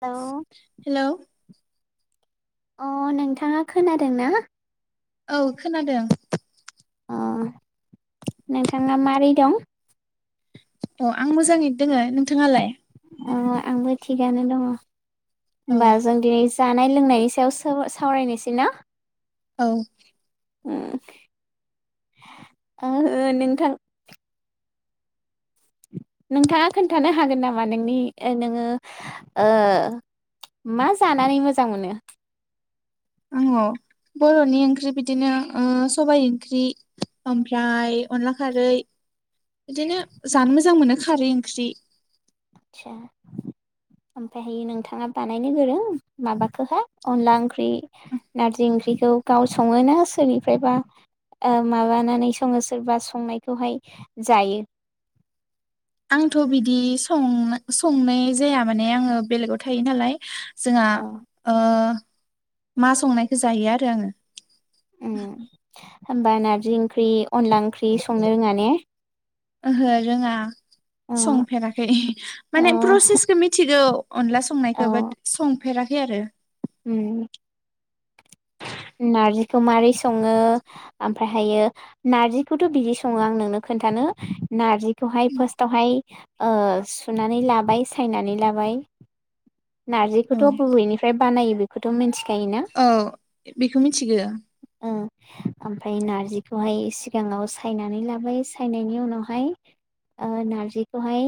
औ हेलौ अ नोंथाङा खोनादों ना? औ खोनादों। अ नोंथाङा मारै दं? अ आं मोजाङै दोङो नोंथाङालाय? औ बा जों दिनैस जानाय लोंनायनि सायाव साव सावरायनोसै ना? औ ओ आङो नोंथां नोंथाङा खोन्थानो हागोन नामा नोंनि ओ नोङो ओ मा जानानै मोजां मोनो? आंङ बर'नि ओंख्रि बिदिनो ओ सबाय ओंख्रि ओमफ्राय अनला खारै बिदिनो जानो मोजां मोनो खारै ओंख्रि। आस्सा ओमफ्रायहायो नोंथाङा बानायनो गोरों माबाखोहा अनला ओंख्रि नारजि ओंख्रिखौ गाव सङो ना सोरनिफ्रायबा ओ माबानानै सङो सोरबा संनायखौहाय जायो? आंथ' बिदि सं ना संनाय जाया माने आङो बेलेगाव थायो नालाय जोंहा औ ओ मा संनायखो जायो आरो आङो। अ होमबा नारजि ओंख्रि अनला ओंख्रि संनो रोङा ने ओहो रोङा औ संफेराखै औ माने प्रसेसखौ मिथिगौ अनला संनायखौ औ बाट संफेराखै आरो उम नारजिखौ मारै सङो ओमफ्रायहायो नार्जिखौथ' बिदि सङो आं नोंनो खोन्थानो नार्जिखौहाय फार्स्टावहाय ओ सुनानै लाबाय सायनानै लाबाय औ नार्जिखौथ' बबेनिफ्राय बानायो बेखौथ' मिथि खायोना औ बेखौ मिथिगो ओमफ्राय नार्जिखौहाय सिगाङाव सायनानै लाबाय सायनायनि उनावहाय ओ नार्जिखौहाय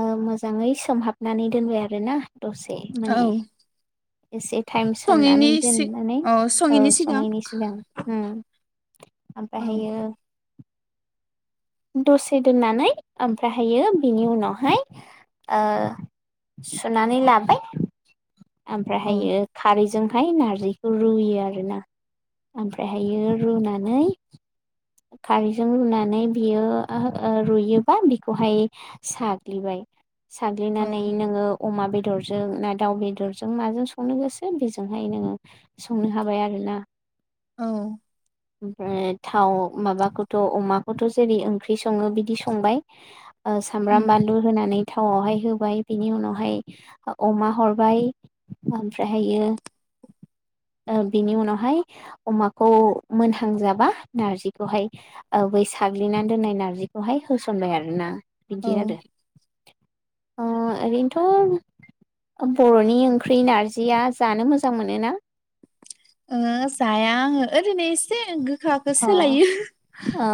ओ मोजाङै सोमहाबनानै दोनबाय आरोना दसे औ माने एसे टाइम सोमनानै दोननानै औ सङैनि सिगां उम औ ओमफ्रायहायो दसे दोननानै ओमफ्रायहायो बिनि उनावहाय ओ सुनानै लाबाय औ ओमफ्रायहायो खारैजों फाय नार्जिखौ रुयो आरो ना ओमफ्रायहायो रुनानै खारैजों रुनानै बियो ओ ओ रुयोबा बिखौहाय साग्लिबाय औ साग्लिनानै नोङो अमा बे दरजों ना दाउ बेदरजों माजों संनो गोसो बेजोंहाय नोङो संनो हाबाय आरोना औ ओमफ्राय थाव माबाखौथ' अमाखौथ' जेरै ओंख्रि सङो बिदि संबाय ओ उम सामब्राम बानलु होनानै थावावहाय होबाय बिनि उनावहाय अमा हरबाय ओमफ्रायहायो ओ बिनि उनावहाय अमाखौ मोनहांजाबा नारजि बे खौहाय ओ बै साग्लिनानै दोननाय नारजिखौहाय होसनबाय आरो ना औ बिदि आरो ओ ओरैनोथ' बर'नि ओंख्रि नारजिया जानो मोजां मोनोना ओ जाया आङो ओरैनो इसे गो गोखाखौ अ सोलायो ओ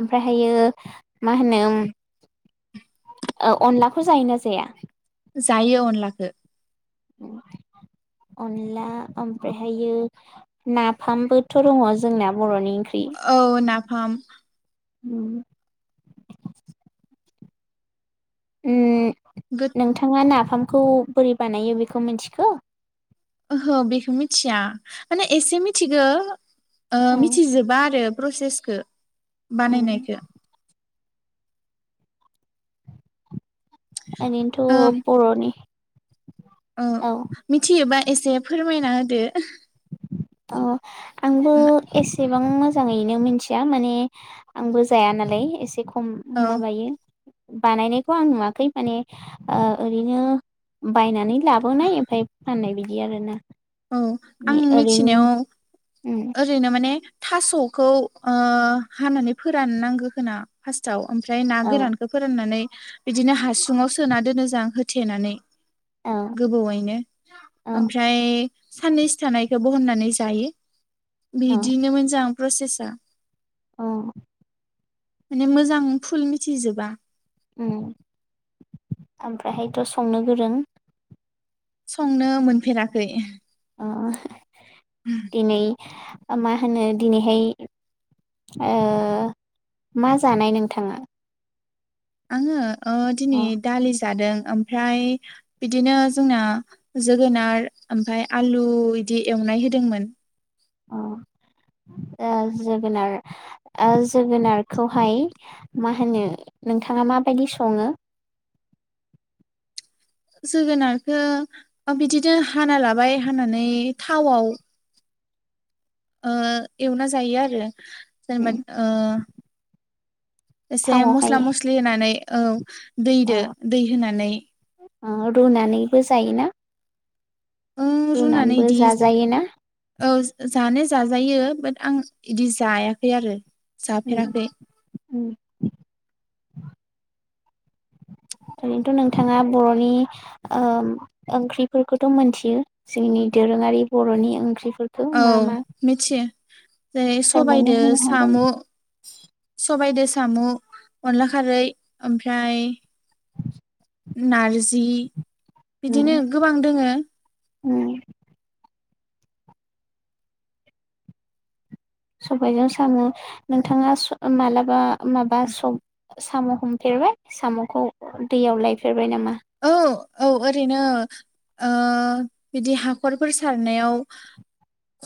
ओमफ्रायहायो मा होनो उम ओ अनलाखौ जायोना जाया? जायो अनलाखो अनला ओमफ्रायहायो नाफामबोथ' दङ जोंना बर'नि ओंख्रि औ ना फाम उम उम गोद नोंथाङा नाफाम खौ बोरै बानायो बेखौ मिथिगौ ओहो बेखौ मिथिया माने एसे मिथिगो ओ औ मिथिजोबा आरो प्रसेसखो बानायनायखौ ओरैनोथ' बर'नि औ मिथियो बा एसे फोरमायना होदो अ आंबो एसे एसेबां मोजाङैनो मिथिया माने आंबो जाया नालाय एसे खम औ माबायो बानायनायखौ आं नुवाखै माने ओ ओरैनो बायनानै लाबोनाय ओमफफ्राय फाननाय बिदि बिदि आरोना औ आं ओरैनो मिथिनायाव उम ओरैनो माने थास'खौ ओ हानानै फोरान नांगौ होना फासटाव? ओमफ्राय ना औ गोरानखौ फोराननानै बिदिनो हासुुंआव सोना दोनो जों होथेनानै औ गोबौैनो औ ओमफ्राय साननैसो थानायखौबोहननानै जायो। औ बिदिनो मोजां प्रसेसआ औ माने मोजां फुल मिथिजोबा। ओमफ्रायहायथ' संनो गोरों संनो मोनफेराखै अ दिनै मा होनो दिनैहाय, ओ मा जानाय नोंथाङा? आङो? अ दिनै दालि जादों ओमफ्राय बिदिनो जोंना जोगोनार ओमफफ्राय आलु इदि एवनाय होदोंमोन। अ अ जोगोनार जोगोनारखौहाय मा होनो नोंथाङा माबायदि सङो? जोगोनारखो बिदिनो हाना लाबाय हानानै थावआव ओ एवना जायो आरो जेनबा उम ओ एसे थावआवहाय मस्ला मस्लि होनानै औ दैदो दै होनानै ओ रुनानैबो जायोना? ओ रुनानै रुनानैबो इदि जाजायो ना? औ जानो जाजायो बाट आं इदि जायाखै आरो उम जाफेराखै ओरैनोथ' नोंथाङा बर'नि ओम ओंख्रिफोरखौथ' मोनथियो जोंनि दोरोङारि बर'नि ओंख्रि औ मिथियो [unintelligible] जेरै फोरमायनो सबायदो होनो हागोन साम' सबायदो साम' अनला खारै ओमफ्राय नारज जि बिदिनो गोबां दोङो उ सबायजों साम' नोंथाङा स मालाबा माबा सब साम' हमफेरबाय साम'खौ दैयाव लायफेरबाय नामा? औ औ ओरैनो ओ बिदि हाखरफोर सारनायाव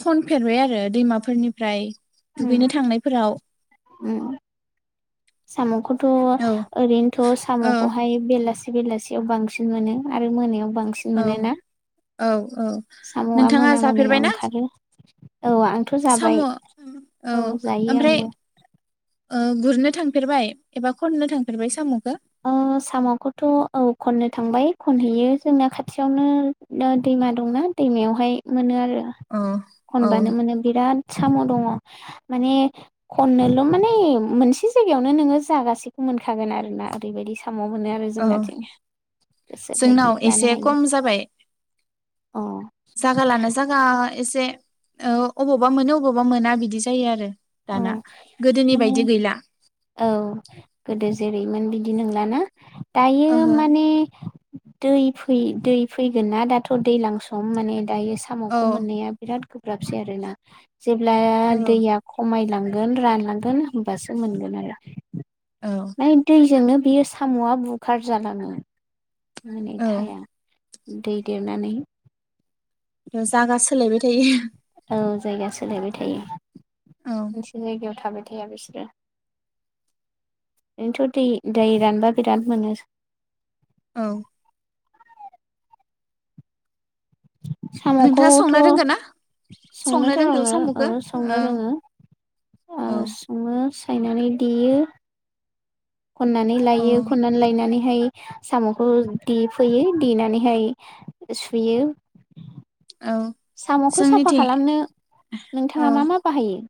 खनफेरबाय आरो दैमाफोरनिफ्राय उ दुगैनो थांनायफोराव उ साम'खौथ' औ ओरैनोथ' ओ साम'खौहाय बेलासि बेलासियाव बांसिन मोनो आरो मोनायाव बांसिन औ मोनोना? औ औ साम'आ नोंथाङा मोना मोनायाव जाफेरबाय ना? ओंखारो औ आंथ' जाबाय औ जायो ओमफ्राय आंबो ओ गुरनो थांफेरबाय एबा खननो थांफेरबाय साम'खौ ओ साम'खौथ' औ खननो थांबाय खनहैयो जोंना खाथियावनो दैमा दंना दैमायावहाय मोनो आरो औ [unintelligible] औ खनबानो मोनो बिराद साम' दङ माने खननोल' माने मोनसे जायगायावनो नोङो जागासेखौ मोनखागोन आरोना ओरैबायदि सा साम' मोनो आरो औ जोंनाथिं गोसो बायदि जोंनाव जानो एसे हायो खम जाबाय अ जागा लाना जागा एसे ओ अबावबा मोनो अबावबा मोना बिदि जायो आरो औ दाना गोदोनि माने बायदि गैला औ गोदोज जेरैमोन बिदि नंलाना? दायो ओहो माने दै फै दै फैगोन ना दाथ' दैजलां सम माने दायो औ साम'खौ मोननाया बिराद गोब्राबसै आरोना जेब्ला औ दैया मायलांगोन रानलांगोन होनोमबासो मोनगोन आरो। औ यै दैजोंनो बियो साम'आ बुखार जालांङो मोनै औ थाया दै दे नानै ओ जागा सोलायबाय थायो। औ जायगा सोलायबाय थायो। औ मोनसे जायगायाव थाबाय थाया बिसोरो बेथ' दै दै रानबा बिराद मोनो। औ नोंथाङा साम'खौथ' संनो रोंगोन ना संनो संनोथ' रोंगौ रोंङो ओ साम'खौ संनो औ रोंङो ओ औ संनो सो नानै देयो। खननानै औ लायो खननानै लायनानै फाय साम'खौ दे फैयो देनानैहाय सुयो। औ साम'खौ साफा जोंनिथिं खालामनो औ नोंथांङा मा मा बाहायो?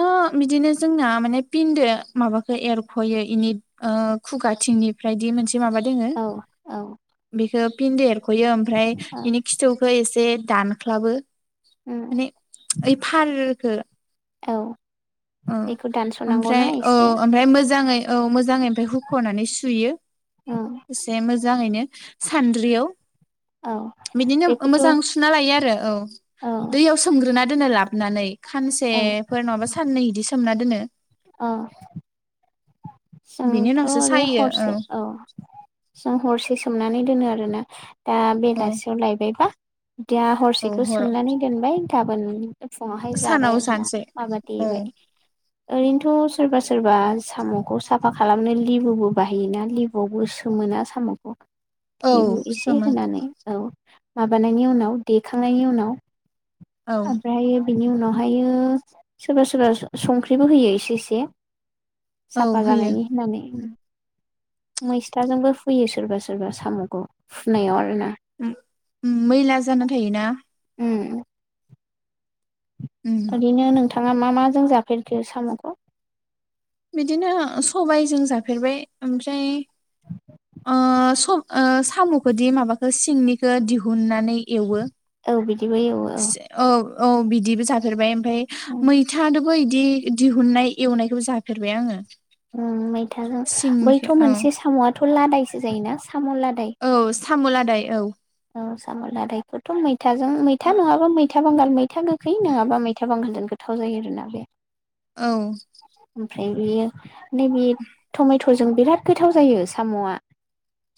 ओ बिदिनो जोंना माने फिनदो माबाखौ एरख'यो बेनि खुगाथिंनिफ्रायदि मोनस माबा दोंङो औ औ बेखो पिन देर खयो ओमफ्राय औ बेनि खिथुखौ एस ए दानख्लाबो उम माने ओइ फार खो औ औ बेखौ दानस'नांगौना ओमफ्राय औ एसे ओमफ्राय मोजांङै औ मोज जांयै ओमफ्राय हुख'नानै सुयो औ एसे मोजां जांङैनो सान्द्रियाव औ बिदिनो बेखौथ' मोजां सुना लायो आरो औ औ दैयाव सोमग्रोना दोनो लाबोनानैै ओं खानसेफोर नंङाबा साननै बिदि सोमना दोनो। अह बेनि जोंथ' उनावसो बेर सायो हरसे औ जों हरसे स सोमनानै दोनो आरोना दा औ बेलासियाव लायबायबा दा औ हरसेखौ हराव सोमनानै दोनबाय। गाबोन फुङावहाय जाबाय सानाव आरोना सानसे औ माबादेबाय। ओरैनोथ' सोरबा सोरबा साम' साफा खालामनो लिबुबो बाहायोना लिबुआवबो सोमोना साम'खौ। औ लिबु एसे सोमो होनानै औ। माबानायनि उनाव देखांनायनि उनाव औ ओमफ्राय बिनि उनावहाय सोरबा सोरबा संख्रिबो होयो एसे एसे। औ साफा होयो जानायनि होननानै। मैस्थाजोंबो हुयो। सोरबा सोरबा साम'खौ हुनायाव आरोना मैला जाना थायोना उम। बादिनो नोंथाङा मा माजों जाफेरखो साम'खौ? बिदिनो सबायजों जाफेरबाय ओमफ्राय ओ साम'खौदि माबाखो सिंनिखौ दिहुननानै एवो औ बिदिबो औ औ। औ बिदिबो जाफेरबाय। ओमफ्राय मैथा दोबो बिदि दिहुननाय एवनायखौबो जा फेरबाय आङो। उ मैथाजों बैथ' सिंनिखौ औ मोनसे साम'आ थ'लादायसो जायोना। साम' लादाय। सामु लादाय औ। औ साम' लादायखौथ' मैथाजों मैथा नङाबा मैथा बांगाल मैथा मैथा गोखै नङाबा मैथा बांगाल जों गोथाव जायो होनना बो औ [unintelligible] नैबे टमेट फोरजों बिराद गोथाव जायो साम'आ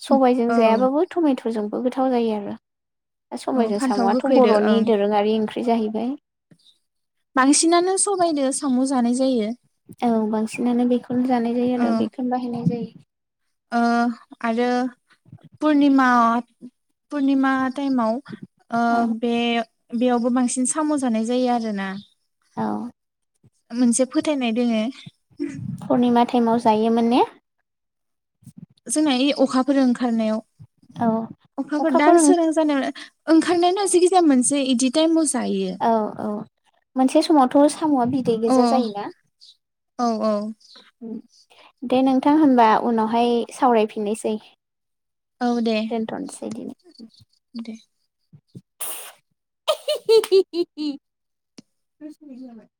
सबायजों औ जायाबाबो टमेट जों [unintelligible] जायो आरो औ सबायजों फान्थाव साम'आाथ गोखैदो बर'नि ओं दोरोङारि ओंख्रि जाहैबाय बांसिनानो सबायदो साम' जानाय जायो औ बांसिनानो बेखौनो जानाय जायो ओ आरो बेखौनो बाहायनाय जायो। ओ आरो पुरनिमा पुरनिमा टाइमाव ओ औ बे बेयावबो बांसिन साम' जानाय जायो आरोना औ मोनसे फोथायनाय दोङो पुर्निमा टाइमाव जायोमोन ने? जोंना इ अखाफोर ओंखारनायाव औ अखाफोर दानसोरां जानो ओंखारनायन जिखिजाया मोनसे इदि टाइमाव जायो औ औ मोनसे समावथ साम'आ बिदै अ गोजा जायोना? औ औ [inaudible] दे नोंथां होनबा उनावहाय सावरायफिननोसै औ दे दोनथ'नोसै दे [unintelligible]